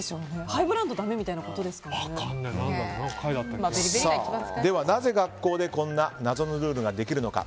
ハイブランドだめみたいなでは、なぜ学校でこんな謎のルールができるのか。